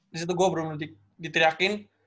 disitu gue baru baru diteriakin